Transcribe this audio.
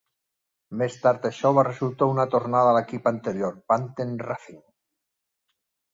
Més tard això va resultar una tornada a l'equip anterior Panther Racing.